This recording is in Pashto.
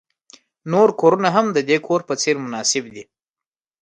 نور کورونه هم د دې کور په څیر مناسب دي